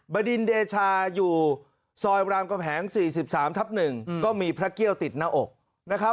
บดินเดชาอยู่ซอยรามกำแหง๔๓ทับ๑ก็มีพระเกี่ยวติดหน้าอกนะครับ